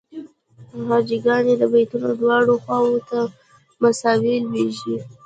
هجاګانې د بیتونو دواړو خواوو ته مساوي لویږي.